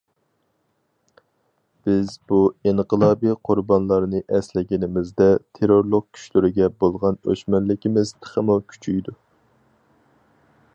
بىز بۇ ئىنقىلابىي قۇربانلارنى ئەسلىگىنىمىزدە، تېررورلۇق كۈچلىرىگە بولغان ئۆچمەنلىكىمىز تېخىمۇ كۈچىيىدۇ.